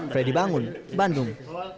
freddy bangun bandung